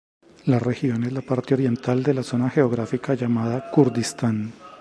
La región es la parte oriental de la zona geográfica llamada Kurdistán.